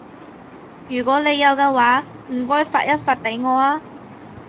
如果你有嘅話，唔該發一發畀我啊